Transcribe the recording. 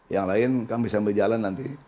yang lain kami sambil jalan nanti